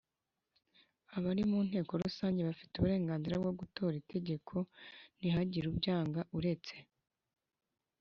Abari mu inteko Rusange bafite uburenganzira bwo gutora itegeko nihagire ubyanga uretse